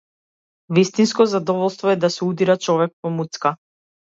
Вистинско задоволство е да се удира човек по муцка!